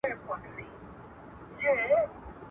له کښې پورته د مرغیو ترانې وې.